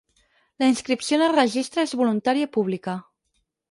La inscripció en el Registre és voluntària i pública.